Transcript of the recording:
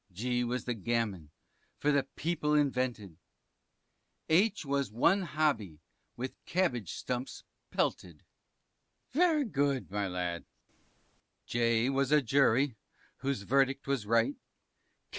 G was the Gammon for the people invented, H was one Hobby with cabbage stumps pelted. T. Very good, my lad. P. J was a Jury, whose verdict was right.